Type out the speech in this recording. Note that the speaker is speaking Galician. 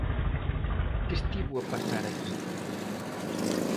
¿Que estivo a pasar aquí?